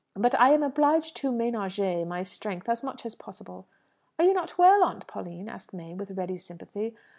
But I am obliged to ménager my strength as much as possible." "Are you not well, Aunt Pauline?" asked May with ready sympathy.